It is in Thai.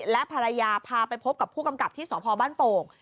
และภรรยาพาไปพบกับผู้กำกับที่สพบ้านโป่ง